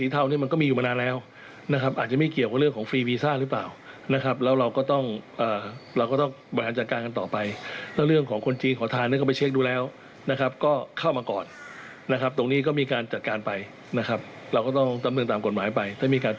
ทีนี้นะคะทางด้านของพันบุหรษตินี้